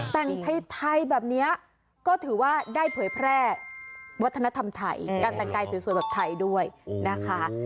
แต่งไทยแบบนี้ก็ถือว่าได้เผยแพร่วัฒนธรรมไทยการแต่งกายสวยแบบไทยด้วยนะคะ